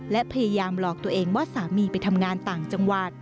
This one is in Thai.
และพยายามหลอกตัวเองว่าสามีไปทำงานต่างจังหวัด